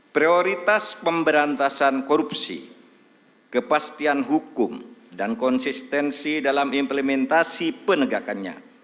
prioritas pemberantasan korupsi kepastian hukum dan konsistensi dalam implementasi penegakannya